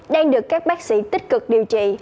đang được các bác sĩ tích cực điều trị